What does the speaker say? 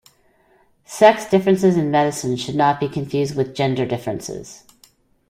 Sex differences in medicine should not be confused with gender differences.